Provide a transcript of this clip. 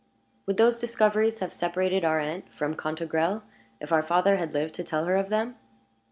"Would those discoveries have separated our aunt from Cantegrel if our father had lived to tell her of them?"